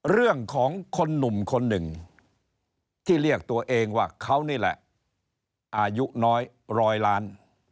เรื่องของคนหนุ่มคนหนึ่งที่เรียกตัวเองว่าเขานี่แหละอายุน้อยร้อยล้าน